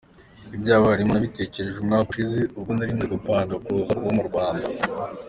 "Ibya Alibumu nabitekereje umwaka ushize ubwo nari maze gupanga kuza kuba mu Rwanda.